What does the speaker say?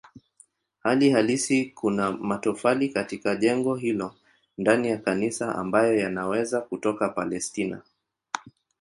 Hali halisi kuna matofali katika jengo hilo ndani ya kanisa ambayo yanaweza kutoka Palestina.